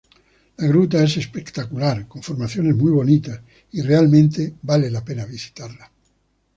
La gruta es espectacular, con formaciones muy bonitas, y realmente vale la pena visitarla.